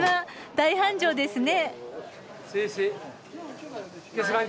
大繁盛ですね。